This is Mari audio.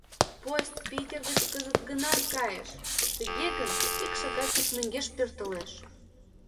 — Поезд Питер гыч кызыт гына кайыш, тыге гын, ик шагат гыч мӧҥгеш пӧртылеш.